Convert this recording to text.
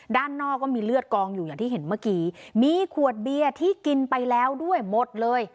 ด้านนอกก็มีเลือดกองอยู่อย่างที่เห็นเมื่อกี้มีขวดเบียร์ที่กินไปแล้วด้วยหมดเลย